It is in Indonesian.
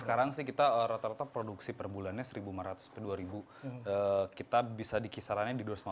sekarang sih kita rata rata produksi per bulannya satu lima ratus dua kita bisa dikisarannya di dua ratus lima puluh tiga ratus juta